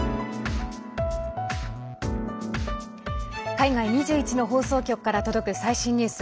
海外２１の放送局から届く最新ニュース。